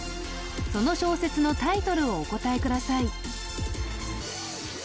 その小説のタイトルをお答えください